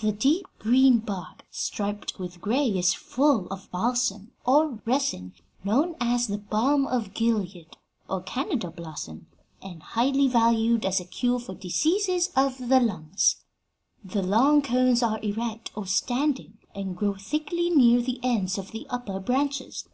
The deep green bark, striped with gray, is full of balsam, or resin, known as balm of Gilead or Canada balsam, and highly valued as a cure for diseases of the lungs. The long cones are erect, or standing, and grow thickly near the ends of the upper branches.